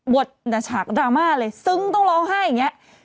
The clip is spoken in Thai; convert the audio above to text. บทแต่ฉากดราม่าเลยซึ้งต้องร้องไห้อย่างนี้